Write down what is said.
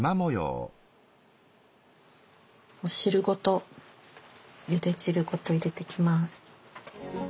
もう汁ごとゆで汁ごと入れてきます。